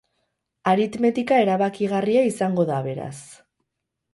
Aritmetika erabakigarria izango da, beraz.